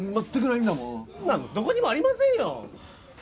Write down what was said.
そんなんどこにもありませんよ